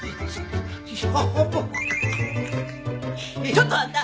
ちょっとあんた！